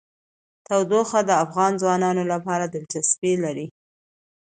تودوخه د افغان ځوانانو لپاره دلچسپي لري.